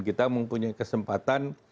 kita mempunyai kesempatan